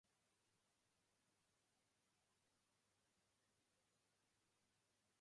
It is the location of Jehovah's inflictions on Zion's enemies.